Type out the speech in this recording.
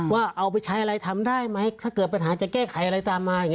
ว่าเอาไปใช้อะไรทำได้ไหมถ้าเกิดปัญหาจะแก้ไขอะไรตามมาอย่างนี้